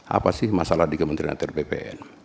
apa sih masalah di kementerian atir ppn